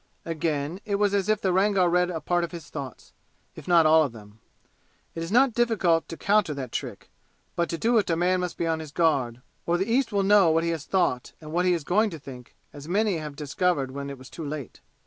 Again, it was as if the Rangar read a part of his thoughts, if not all of them. It is not difficult to counter that trick, but to do it a man must be on his guard, or the East will know what he has thought and what he is going to think, as many have discovered when it was too late.